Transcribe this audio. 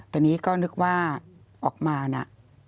ตอนนี้ก็นึกว่าออกมานะ